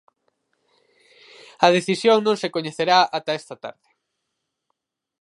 A decisión non se coñecerá ata esta tarde.